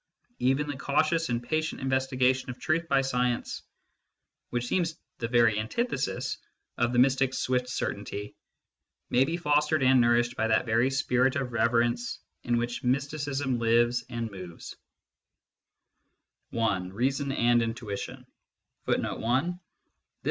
Even the cautious and patient investigation of truth by science, which seems the very antithesis of the mystic s swift certainty, may be fostered and nourished by that very spirit of reverence in which mysticism lives and moves.